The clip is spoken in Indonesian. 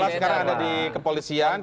sekarang anda di kepolisian